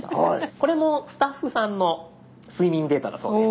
これもスタッフさんの睡眠データだそうです。